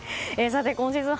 今シーズン